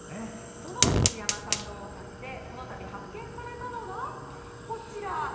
その藤山さんのお宅でこの度発見されたのが、こちら。